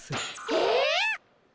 えっ！？